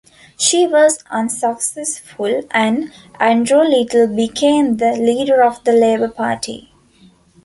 She was unsuccessful, and Andrew Little became the leader of the Labour Party.